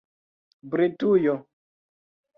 britujo